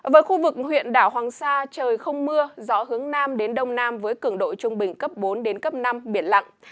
với khu vực huyện đảo hoàng sa trời không mưa gió hướng nam đến đông nam với cường độ trung bình cấp bốn đến cấp năm biển lặng